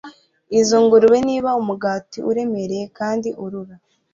izo ngurube Niba umugati uremereye kandi urura